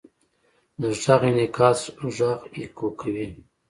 د غږ انعکاس غږ اکو کوي.